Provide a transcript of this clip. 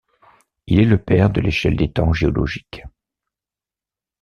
Il est le père de l'échelle des temps géologiques.